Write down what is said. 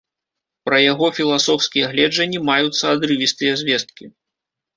Пра яго філасофскія гледжанні маюцца адрывістыя звесткі.